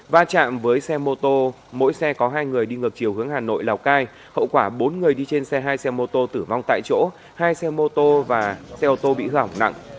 va chạm với xe mô tô mỗi xe có hai người đi ngược chiều hướng hà nội lào cai hậu quả bốn người đi trên xe hai xe mô tô tử vong tại chỗ hai xe mô tô và xe ô tô bị hỏng nặng